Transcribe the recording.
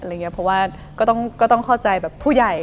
เพราะว่าก็ต้องเข้าใจแบบผู้ใหญ่